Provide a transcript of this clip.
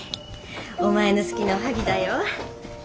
お前の好きなおはぎだよ。